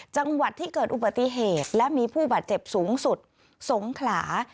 จังหวัดที่เกิดอุบัติเหตุและมีผู้บาดเจ็บสูงสุดสงขลา